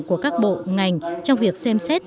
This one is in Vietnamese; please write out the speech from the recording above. của các bộ ngành trong việc xem xét